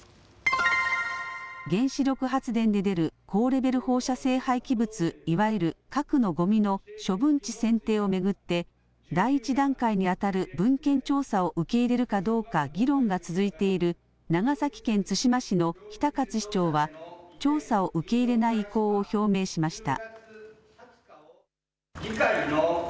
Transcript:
原子力発電で出る高レベル放射性廃棄物、いわゆる核のごみの処分地選定を巡って第１段階にあたる文献調査を受け入れるかどうか議論が続いている長崎県対馬市の比田勝市長は調査を受け入れない意向を表明しました。